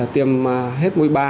tiêm hết mũi ba